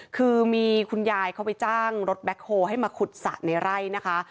คือมีคุณยายเขาไปจ้างรถแบ็คโฮลให้มาขุดสระในไร่นะคะ